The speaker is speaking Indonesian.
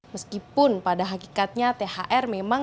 meskipun pada hakikatnya thr memang